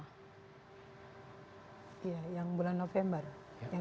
hai yang bulan november yang dua ribu delapan belas